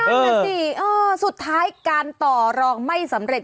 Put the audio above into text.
นั่นน่ะสิสุดท้ายการต่อรองไม่สำเร็จ